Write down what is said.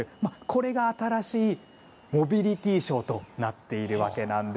これが新しいモビリティショーとなっているわけなんです。